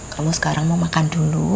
kalau sekarang mau makan dulu